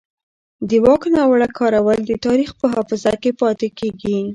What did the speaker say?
د واک ناوړه کارول د تاریخ په حافظه کې پاتې کېږي